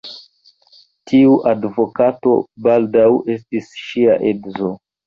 Tiu advokato baldaŭ estis ŝia edzo.